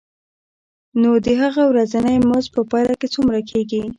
نو د هغه ورځنی مزد په پایله کې څومره کېږي